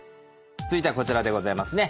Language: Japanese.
続いてはこちらでございますね。